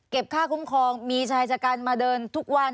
เก็บค่าคุ้มครองมีชายจัดการมาเดินทุกวัน